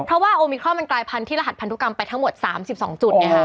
เพราะว่าโอมิครอนมันกลายพันธุที่รหัสพันธุกรรมไปทั้งหมด๓๒จุดไงฮะ